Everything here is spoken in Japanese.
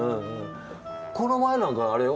この前なんかあれよ。